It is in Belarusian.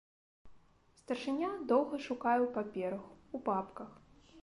Старшыня доўга шукае ў паперах, у папках.